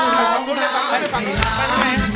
ร้องได้ให้รัก